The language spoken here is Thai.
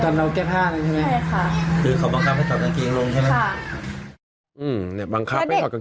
อาจารย์บังคับให้ถอดกางเกงลง